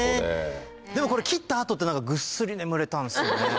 でもこれ切った後って何かぐっすり眠れたんですよね。